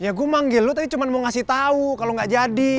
ya gua manggil lu tadi cuma mau ngasih tau kalo gak jadi